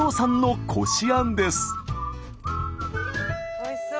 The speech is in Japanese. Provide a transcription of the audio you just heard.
おいしそう。